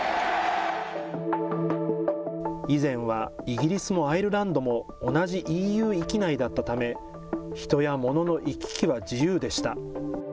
以前はイギリスもアイルランドも、同じＥＵ域内だったため、人やモノの行き来は自由でした。